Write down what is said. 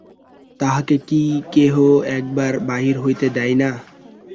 তাহাকে কি কেহ একবার বাহির হইতে দেয় না?